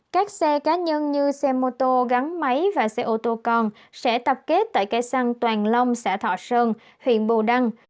các xe cá nhân như xe mô tô gắn máy và xe ô tô con sẽ tập kết tại cây xăng toàn long xã thọ sơn huyện bù đăng